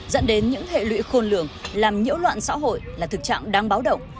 dẫn đến những hệ lụy khôn lường làm nhiễu loạn xã hội là thực trạng đáng báo động